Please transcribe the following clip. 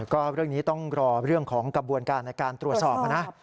ก็เรื่องนี้ต้องรอเรื่องของกระบวนการในการตรวจสอบนะ